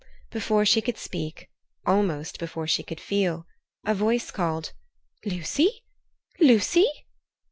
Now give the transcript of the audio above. Before she could speak, almost before she could feel, a voice called, "Lucy! Lucy!